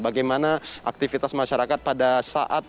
bagaimana aktivitas masyarakat pada saat